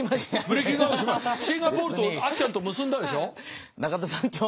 シンガポールとあっちゃんと結んだでしょ？